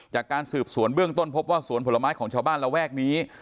จากการสืบสวนเบื้องต้นพบว่าสวนผลไม้ของชาวบ้านระแวกนี้